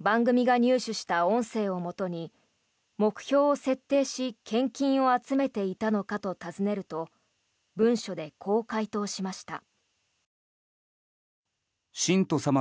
番組が入手した音声をもとに目標を設定し献金を集めていたのかと尋ねると文書でこう回答しました。